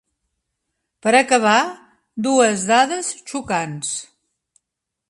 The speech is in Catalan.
Per acabar, dues dades xocants.